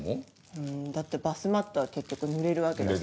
うんだってバスマットは結局ぬれるわけだし。